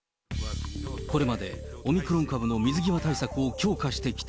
これまでオミクロン株の水際対策を強化してきた。